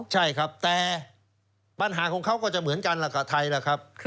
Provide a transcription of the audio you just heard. ใช่ครับแต่ปัญหาของเขาก็จะเหมือนกันล่ะกับไทยล่ะครับ